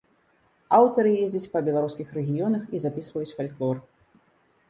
Аўтары ездзяць па беларускіх рэгіёнах і запісваюць фальклор.